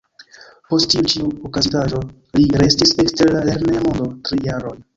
Post tiu ĉi okazintaĵo li restis ekster la lerneja mondo tri jarojn.